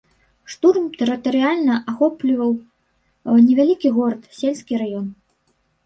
Штурм тэрытарыяльна ахопліваў невялікі горад, сельскі раён.